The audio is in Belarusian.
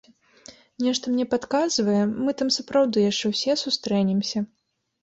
Нешта мне падказвае, мы там сапраўды яшчэ ўсе сустрэнемся.